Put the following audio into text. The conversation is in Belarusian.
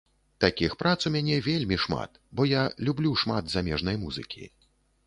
Такіх прац у мяне вельмі шмат, бо я люблю шмат замежнай музыкі.